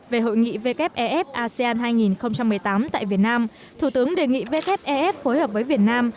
về hội nghị wf ef asean hai nghìn một mươi tám tại việt nam thủ tướng đề nghị wf ef phối hợp với việt nam